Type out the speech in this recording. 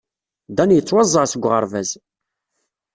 Dan yettwaẓẓeɛ seg uɣerbaz.